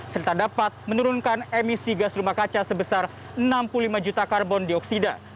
serta dapat menurunkan emisi gas rumah kaca sebesar enam puluh lima juta karbon dioksida